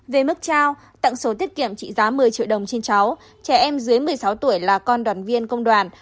về mức trao tặng số tiết kiệm trị giá một mươi triệu đồng trên cháu trẻ em dưới một mươi sáu tuổi là con đoàn viên công đoàn